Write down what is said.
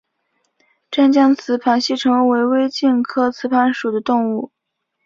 湛江雌盘吸虫为微茎科雌盘属的动物。